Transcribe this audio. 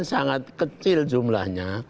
sangat kecil jumlahnya